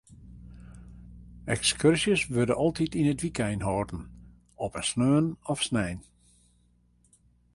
Ekskurzjes wurde altyd yn it wykein holden, op in sneon of snein.